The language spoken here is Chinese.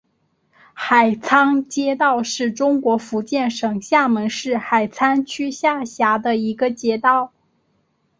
海沧街道是中国福建省厦门市海沧区下辖的一个街道。